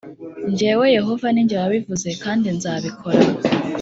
Jyewe Yehova ni jye wabivuze kandi nzabikora